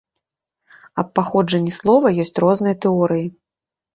Аб паходжанні слова ёсць розныя тэорыі.